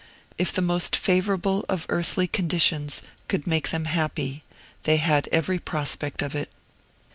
If the most favorable of earthly conditions could make them happy, they had every prospect of it.